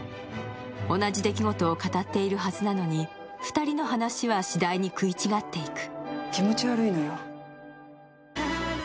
同じ出来事を語っているはずなのに、２人の話は次第に食い違っていく。